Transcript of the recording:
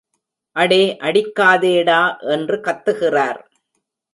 அடே அடிக்காதேடா என்று கத்துகிறார்.